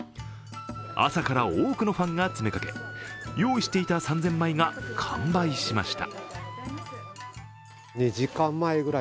朝から多くのファンが詰めかけ、用意していた３０００枚が完売しました。